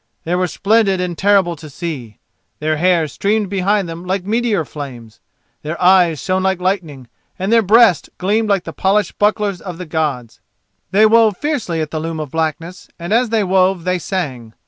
They were splendid and terrible to see. Their hair streamed behind them like meteor flames, their eyes shone like lightning, and their breasts gleamed like the polished bucklers of the gods. They wove fiercely at the loom of blackness, and as they wove they sang.